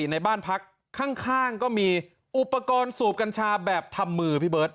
ในบ้านพักข้างก็มีอุปกรณ์สูบกัญชาแบบทำมือพี่เบิร์ต